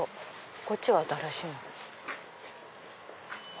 こっちは新しいお家。